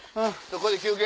ここで休憩。